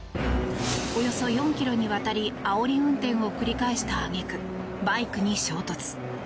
およそ４ｋｍにわたりあおり運転を繰り返した揚げ句バイクに衝突。